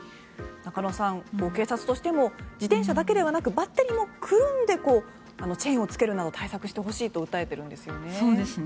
中野さん、警察としても自転車だけではなくバッテリーもくるんでチェーンをつけるなど対策してほしいと訴えているんですね。